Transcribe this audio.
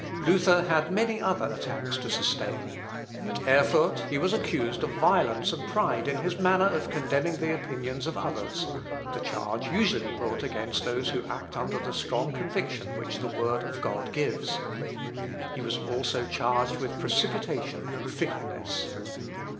" Luth. Op. (L.) vi, p. 518. Luther had many other attacks to sustain. At Erfurt he was accused of violence and pride in his manner of condemning the opinions of others the charge usually brought against those who act under the strong conviction which the word of God gives. He was also charged with precipitation and fickleness.